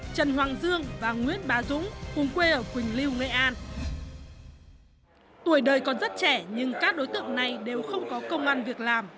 xin chào và hẹn gặp lại